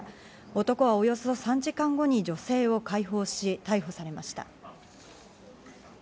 男はおよそ３時間後に女性を解放し、逮捕されました。